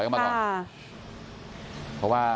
คุณภาคภูมิพยายามอยู่ในจุดที่ปลอดภัยด้วยนะคะ